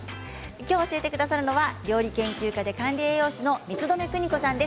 きょう教えてくださるのは料理研究家で管理栄養士の満留邦子さんです。